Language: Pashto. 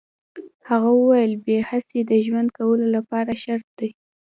هغه وویل بې حسي د ژوند کولو لپاره شرط ده